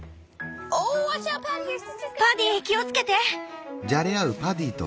パディ気をつけて！